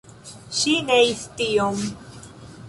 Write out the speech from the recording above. Ŝi neis tion.